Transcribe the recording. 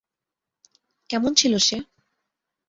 কেমন ছিল সে?